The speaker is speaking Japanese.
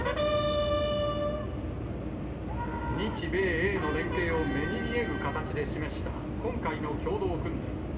日米英の連携を目に見える形で示した今回の共同訓練。